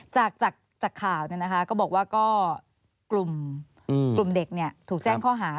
จากข่าวก็บอกว่าก็กลุ่มเด็กถูกแจ้งข้อหา